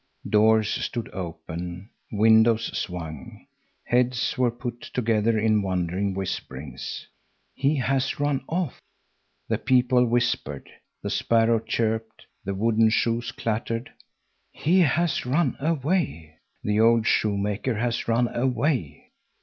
Doors stood open, windows swung. Heads were put together in wondering whisperings. "He has run off." The people whispered, the sparrows chirped, the wooden shoes clattered: "He has run away. The old shoemaker has run away.